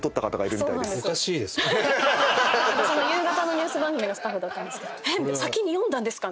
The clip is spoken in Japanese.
私の夕方のニュース番組のスタッフだったんですけど「先に読んだんですか！？